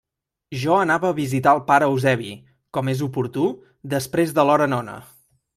Jo anava a visitar el pare Eusebi, com és oportú, després de l'hora nona.